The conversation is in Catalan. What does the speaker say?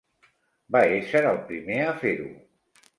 Va ésser el primer a fer-ho.